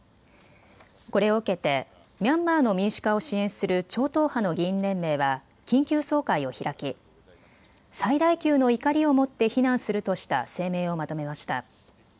これを受けてミャンマーの民主化を支援する超党派の議員連盟は緊急総会を開き、最大級の怒りを持って非難するとした声明をまとめました。